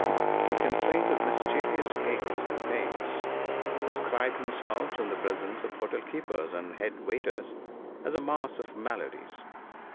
He complained of mysterious aches and pains, described himself in the presence of hotel keepers and headwaiters as a mass of maladies.